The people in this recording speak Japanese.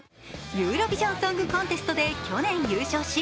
ユーロヴィジョン・ソング・コンテストで去年優勝し、